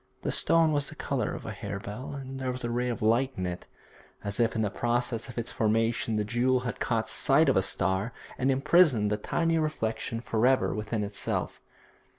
The stone was the colour of a harebell, and there was a ray of light in it, as if in the process of its formation the jewel had caught sight of a star, and imprisoned the tiny reflection for ever within itself.